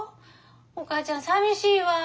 お母ちゃんさみしいわ。